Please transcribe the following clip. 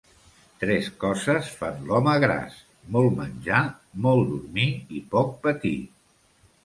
Tres coses fan l'home gras: molt menjar, molt dormir i poc patir.